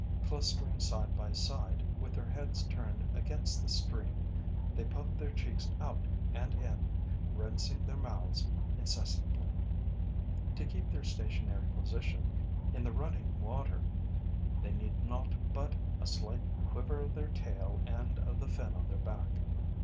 Clustering side by side, with their heads turned against the stream, they puff their cheeks out and in, rinsing their mouths incessantly. To keep their stationary position in the running water, they need naught but a slight quiver of their tail and of the fin on their back.